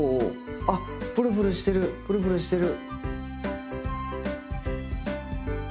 あっプルプルしてるプルプルしてる。